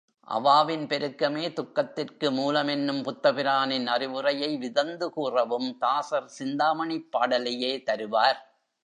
அவாவின் பெருக்கமே துக்கத்திற்கு மூலமென்னும் புத்தபிரானின் அறிவுரையை விதந்து கூறவும் தாசர் சிந்தாமணிப் பாடலையே தருவார்.